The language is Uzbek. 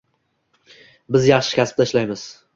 Biz yaxshi kasbda ishlaymiz.